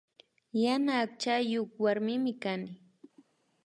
Yana akchayuk warmimi kani